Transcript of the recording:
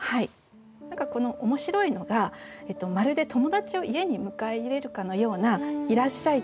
何か面白いのがまるで友達を家に迎え入れるかのような「いらっしゃい」っていう言葉。